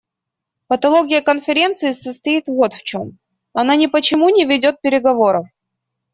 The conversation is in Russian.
Патология Конференции состоит вот в чем: она ни по чему не ведет переговоров.